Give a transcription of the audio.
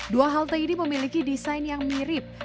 dua halte ini memiliki desain yang mirip